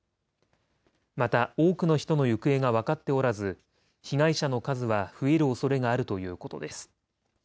また多くの人の行方が分かっておらず被害者の数は増えるおそれがあるということです。